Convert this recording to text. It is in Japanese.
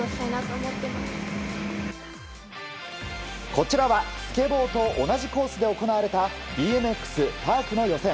こちらはスケボーと同じコースで行われたＢＭＸパークの予選。